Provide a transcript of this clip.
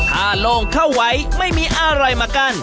ถ้าโล่งเข้าไว้ไม่มีอะไรมากั้น